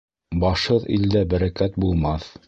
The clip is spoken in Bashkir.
Башһыҙ илдә бәрәкәт булмаҫ.